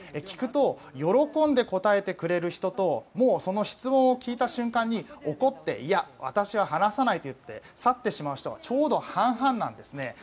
聞くと、喜んで答えてくれる人ともうその質問を聞いた瞬間に怒って、私は話さないと言って去ってしまう人がちょうど半々なんですね。